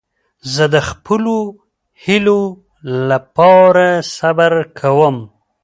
زه د خپلو هیلو له پاره صبر کوم.